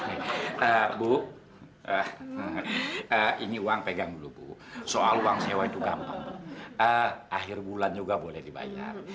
nah bu ini uang pegang dulu bu soal uang sewa itu gampang akhir bulan juga boleh dibayar